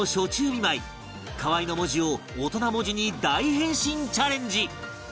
見舞い河合の文字を大人文字に大変身チャレンジ